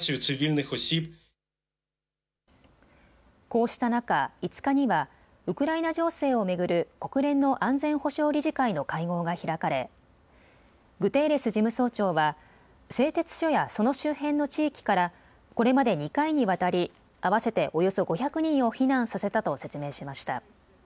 こうした中、５日にはウクライナ情勢を巡る国連の安全保障理事会の会合が開かれグテーレス事務総長は製鉄所やその周辺の地域からこれまで２回にわたり合わせておよそ５００人を避難させたと説明しました。